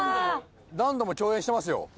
何度も共演してますよ。